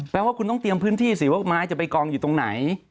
แปลว่าคุณต้องเตรียมพื้นที่สิว่าไม้จะไปกองอยู่ตรงไหน